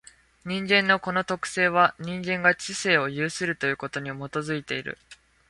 人間のこの特性は、人間が知性を有するということに基いている。